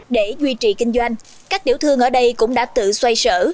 để duy trì kinh doanh các tiểu thương ở đây cũng đã tự xoay sở